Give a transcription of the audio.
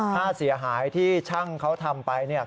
ค่าเสียหายที่ช่างเขาทำไป